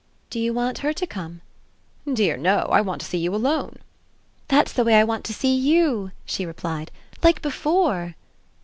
"Do you want her to come?" "Dear no I want to see you alone." "That's the way I want to see YOU!" she replied. "Like before."